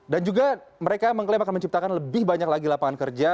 dan juga mereka mengklaim akan menciptakan lebih banyak lagi lapangan kerja